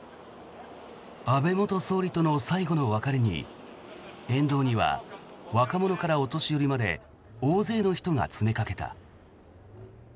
安倍元総理との最後の別れに沿道には若者からお年寄りまで大勢の人が詰めかけた。